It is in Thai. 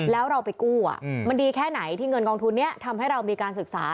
แล้วเราไปกู้มันดีแค่ไหนที่เงินกองทุนนี้ทำให้เรามีการศึกษา